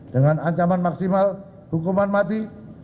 dengan ancaman maksimal hukuman mati